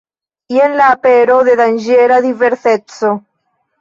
Jen la apero de danĝera diverseco.